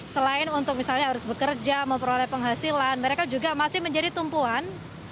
selain untuk misalnya harus bekerja memperoleh penghasilan mereka juga masih menjadi tumpuan